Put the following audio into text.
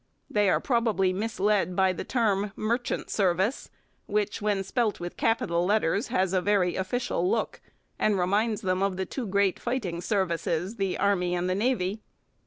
They are probably misled by the term 'Merchant Service,' which, when spelt with capital letters, has a very official look and reminds them of the two great fighting 'services,' the Army and the Navy.